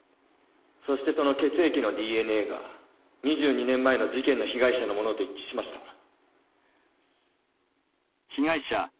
そしてその血液のＤＮＡが２２年前の事件の被害者のものと一致しました。